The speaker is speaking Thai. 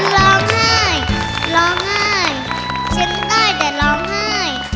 ร้องไห้ร้องไห้ฉันได้แต่ร้องไห้